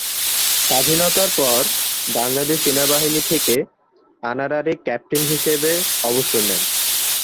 স্বাধীনতার পর বাংলাদেশ সেনাবাহিনী থেকে অনারারি ক্যাপ্টেন হিসেবে অবসর নেন।